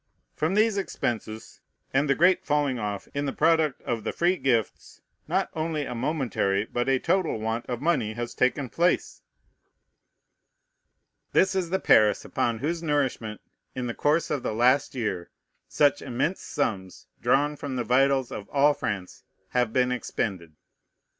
From these expenses, and the great falling off in the product of the free gifts, not only a momentary, but a total, want of money has taken place." This is the Paris upon whose nourishment, in the course of the last year, such immense sums, drawn from the vitals of all France, have been expended.